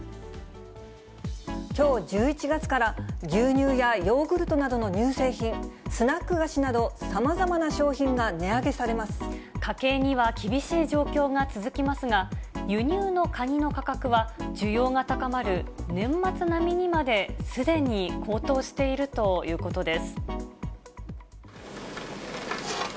きょう１１月から牛乳やヨーグルトなどの乳製品、スナック菓子など、さまざまな商品が値上げ家計には厳しい状況が続きますが、輸入のカニの価格は、需要が高まる年末並みにまですでに高騰しているということです。